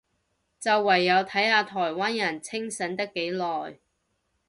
就唯有睇下台灣人清醒得幾耐